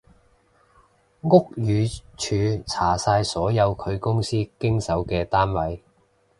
屋宇署查晒所有佢公司經手嘅單位